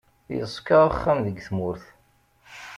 Yeṣka axxam deg tmurt.